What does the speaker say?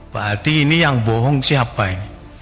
pak arti ini yang bohong siapa ini